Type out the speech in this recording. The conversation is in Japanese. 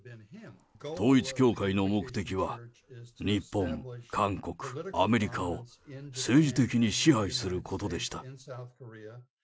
統一教会の目的は、日本、韓国、アメリカを政治的に支配することでした。